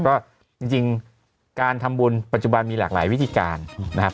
ก็จริงการทำบุญปัจจุบันมีหลากหลายวิธีการนะครับ